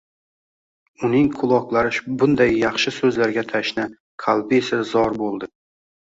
Uning quloqlari bunday yaxshi so'zlarga tashna, qalbi esa zor bo'ldi.